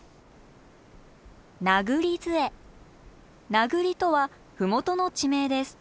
「なぐり」とは麓の地名です。